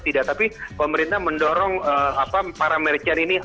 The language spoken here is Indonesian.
tidak tapi pemerintah mendorong para merchant ini